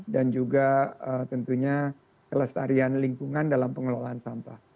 dan juga tentunya kelestarian lingkungan dalam pengelolaan sampah